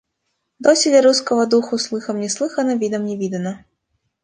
Доселе русского духу слыхом не слыхано, видом не видано.